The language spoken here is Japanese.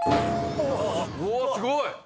うわっすごい。